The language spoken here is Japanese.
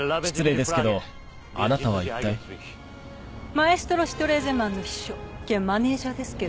マエストロシュトレーゼマンの秘書兼マネジャーですけど。